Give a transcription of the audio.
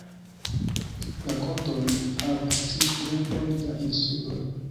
La kodojn havas tri grupoj da insuloj.